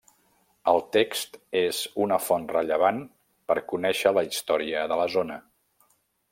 El text és una font rellevant per conèixer la història de la zona.